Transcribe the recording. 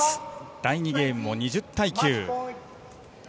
第２ゲーム、２０対９。